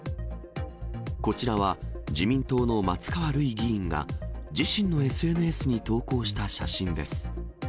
こちらは、自民党の松川るい議員が、自身のＳＮＳに投稿した写真です。